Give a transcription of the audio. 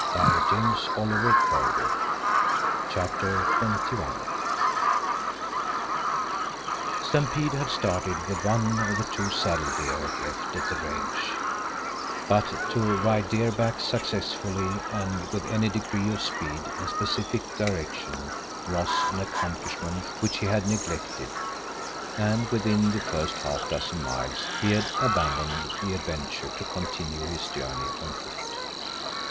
We'd better hurry." CHAPTER XXI Stampede had started with one of the two saddle deer left at the range, but to ride deer back successfully and with any degree of speed and specific direction was an accomplishment which he had neglected, and within the first half dozen miles he had abandoned the adventure to continue his journey on foot.